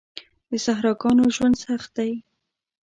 د صحراګانو ژوند سخت دی.